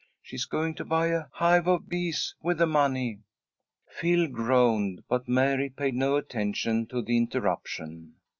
She's going to buy a hive of bees with the money." Phil groaned, but Mary paid no attention to the interruption.